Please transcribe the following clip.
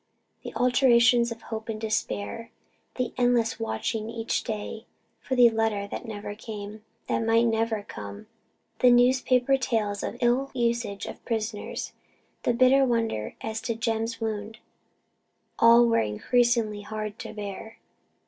The alternations of hope and despair, the endless watching each day for the letter that never came that might never come the newspaper tales of ill usage of prisoners the bitter wonder as to Jem's wound all were increasingly hard to bear.